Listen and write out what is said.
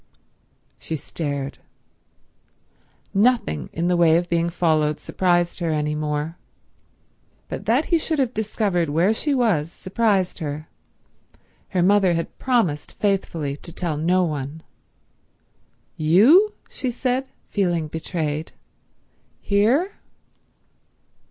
She stared. Nothing in the way of being followed surprised her any more, but that he should have discovered where she was surprised her. Her mother had promised faithfully to tell no one. "You?" she said, feeling betrayed. "Here?"